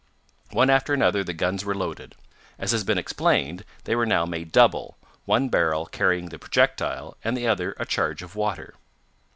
One after another the guns were loaded. As has been explained, they were now made double, one barrel carrying the projectile, and the other a charge of water.